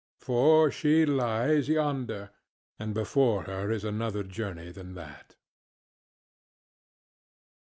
For she lies yonder, and before her is another journey than that.